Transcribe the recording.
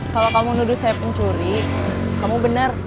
kalau kamu nuduh saya pencuri kamu benar